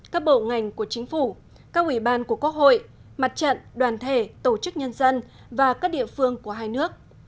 các bộ ngành của chính phủ các ủy ban của quốc hội mặt trận đoàn thể tổ chức nhân dân và các địa phương của hai nước